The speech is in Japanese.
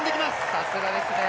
さすがですね。